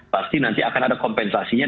pasti nanti akan ada kompensasinya